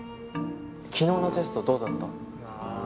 昨日のテストどうだった？